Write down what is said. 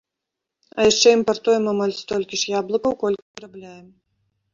А яшчэ імпартуем амаль столькі ж яблыкаў, колькі вырабляем.